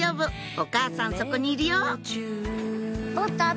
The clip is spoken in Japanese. お母さんそこにいるよ